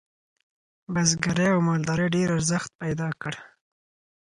بزګرۍ او مالدارۍ ډیر ارزښت پیدا کړ.